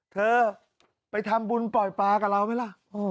เธอไปทำบุญปล่อยปลากับเราไหมล่ะ